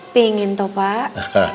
pingin tau pak